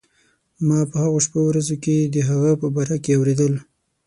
ما په هغو شپو ورځو کې د هغه په باره کې اورېدل.